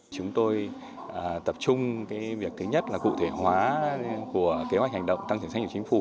chúng tôi tập trung việc thứ nhất là cụ thể hóa của kế hoạch hành động tăng trưởng trách nhiệm chính phủ